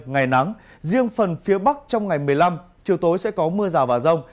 ngày nắng riêng phần phía bắc trong ngày một mươi năm chiều tối sẽ có mưa rào và rông